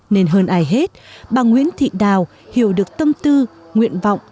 nên hơn ai hết bà nguyễn thị đào hiểu được tâm tư nguyện vọng